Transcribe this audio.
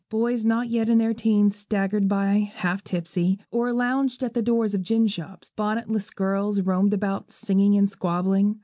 Boys not yet in their teens staggered by half tipsy, or lounged at the doors of gin shops. Bonnetless girls roamed about singing and squabbling.